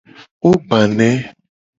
Wo gba ne.